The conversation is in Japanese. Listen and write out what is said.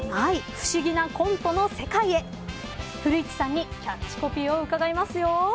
不思議なコントの世界へ古市さんにキャッチコピーを伺いますよ。